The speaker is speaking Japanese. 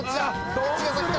どっちが先か。